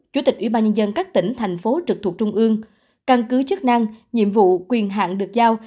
chủ tịch ủy ban nhân dân các tỉnh thành phố trực thuộc trung ương căn cứ chức năng nhiệm vụ quyền hạn được giao